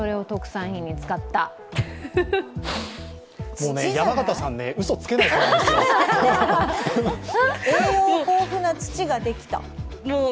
栄養豊富な土ができた。